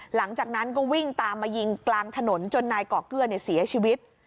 หลังจากนั้นก็วิ่งตามมายิงกลางถนนจนนายเกาะเกื้อเสียชีวิต